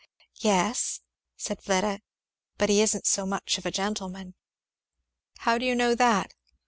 "Yes," said Fleda, "but he isn't so much of a gentleman." "How do you know that?"